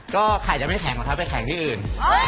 ก็ไข่จะไม่แข็งหรอกครับไปแข็งที่อื่น